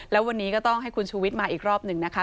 แล้ววันนี้ก็ต้องให้คุณชูวิทย์มาอีกรอบหนึ่งนะคะ